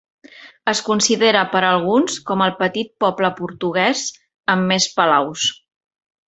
Es considera per alguns com el petit poble portuguès amb més palaus.